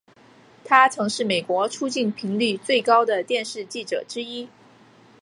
他曾是美国出境频率最高的电视记者之一。